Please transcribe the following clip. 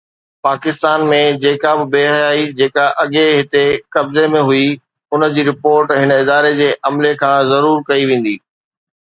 پاڪستان ۾ جيڪا به بي حيائي، جيڪا اڳي هتي قبضي ۾ هئي، ان جي رپورٽ هن اداري جي عملي کان ضرور ڪئي ويندي.